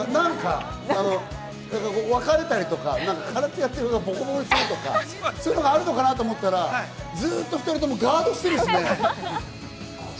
なんか別れたりとか、カラテやってるのがボコボコにするとかそういうのがあるのかなと思ったら、ずっと２人ともガードしてるんですね。